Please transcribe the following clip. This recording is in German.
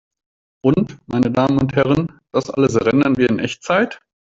Und, meine Damen und Herren, das alles rendern wir in Echtzeit!